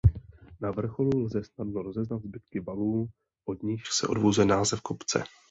Na vrcholu lze snadno rozeznat zbytky valů od nichž se odvozuje název kopce.